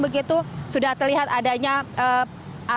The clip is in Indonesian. begitu sudah terlihat adanya